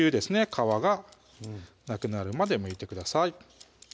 皮がなくなるまでむいてください